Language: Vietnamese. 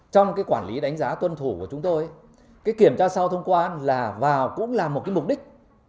trong quản lý đánh giá tuân thủ của chúng tôi kiểm tra sau thông quan vào cũng là một mục đích